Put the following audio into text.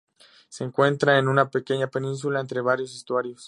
Se encuentra en una pequeña península entre varios estuarios.